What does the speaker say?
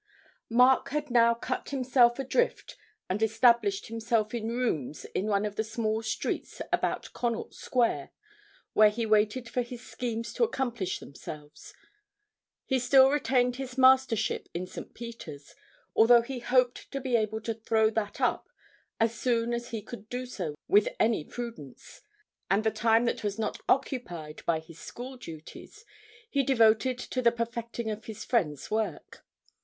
Mark had now cut himself adrift and established himself in rooms in one of the small streets about Connaught Square, where he waited for his schemes to accomplish themselves. He still retained his mastership at St. Peter's, although he hoped to be able to throw that up as soon as he could do so with any prudence, and the time that was not occupied by his school duties he devoted to the perfecting of his friend's work.